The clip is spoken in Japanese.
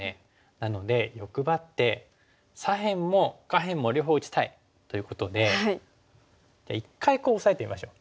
なので欲張って左辺も下辺も両方打ちたい。ということで一回こうオサえてみましょう。